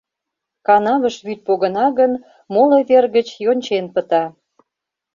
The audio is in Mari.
Канавыш вӱд погына гын, моло вер гыч йончен пыта.